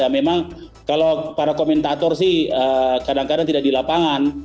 memang kalau para komentator sih kadang kadang tidak di lapangan